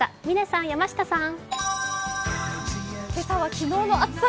嶺さん、山下さん。